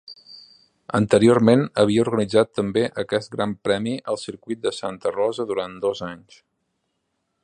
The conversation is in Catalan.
Anteriorment havia organitzat també aquest Gran Premi al circuit de Santa Rosa durant dos anys.